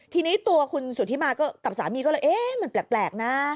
ทีนี้ตัวคุณสุธิมาก็กับสามีก็เลยเอ๊ะมันแปลกนะ